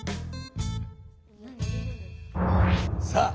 さあ